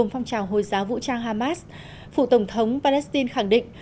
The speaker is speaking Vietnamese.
phong trào hồi giáo vũ trang hamas phủ tổng thống palestine khẳng định